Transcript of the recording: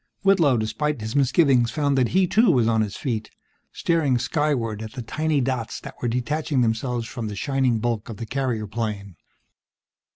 Whitlow, despite his misgivings, found that he, too, was on his feet, staring skyward at the tiny dots that were detaching themselves from the shining bulk of the carrier plane.